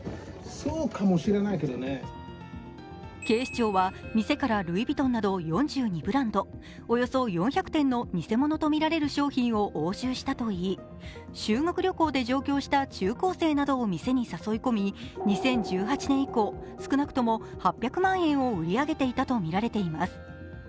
警視庁は店からルイ・ヴィトンなど４２ブランド、およそ４００点の偽物とみられる商品を押収したといい、修学旅行で上京した中高生などを店に誘い込み、２０１８年以降少なくとも８００万円を売り上げていたとみられています。